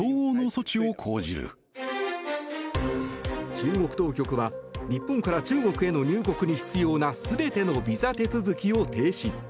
中国当局は日本から中国への入国に必要な全てのビザ手続きを停止。